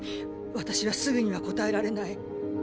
私はすぐには答えられない。